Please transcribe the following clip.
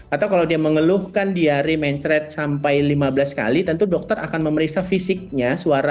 atau kalau dia mengeluhkan diari mencret sampai lima belas kali tentu dokter akan memeriksa fisiknya